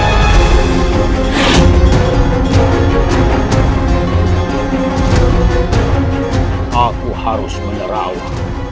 kami akan menangkap kalian